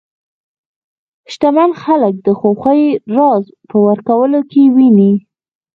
شتمن خلک د خوښۍ راز په ورکولو کې ویني.